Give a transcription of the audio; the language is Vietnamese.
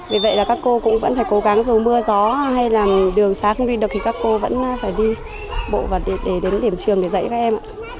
vì vậy là các cô cũng vẫn phải cố gắng dù mưa gió hay là đường xá không đi được thì các cô vẫn phải đi bộ vào để đến điểm trường để dạy các em